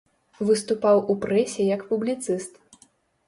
Выступаў у прэсе як публіцыст.